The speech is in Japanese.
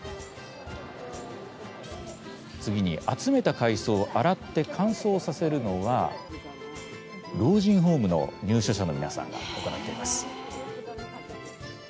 次に集めた海藻を洗って乾燥させるのは老人ホームの入所者の皆さんが行っています。